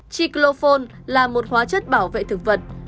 triclofon là một hóa chất bảo vệ thực vật